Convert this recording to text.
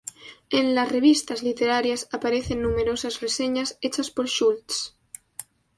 En las revistas literarias aparecen numerosas reseñas hechas por Schulz.